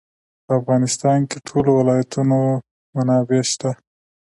په افغانستان کې د ټولو ولایتونو منابع شته.